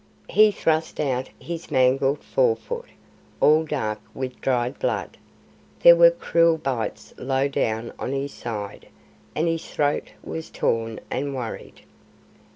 He thrust out his mangled fore foot, all dark with dried blood. There were cruel bites low down on his side, and his throat was torn and worried.